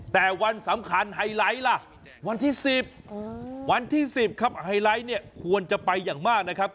แต่วันสำคัญไฮไลท์ล่ะวันที่๑๐วันที่๑๐ครับไฮไลท์เนี่ยควรจะไปอย่างมากนะครับ